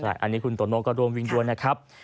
ใช่อันนี้คุณตนนก็รวมวิ่งด้วยนะครับ